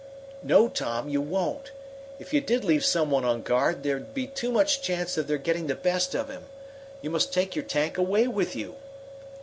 "No, Tom, you won't. If you did leave some one on guard, there'd be too much chance of their getting the best of him. You must take your tank away with you."